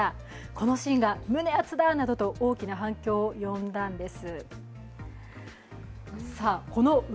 このシーンが胸アツだなどと大きな反響を呼んだんです。